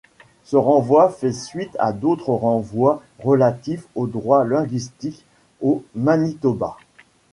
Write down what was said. Ce renvoi fait suite à d'autres renvois relatifs aux droits linguistiques au Manitoba.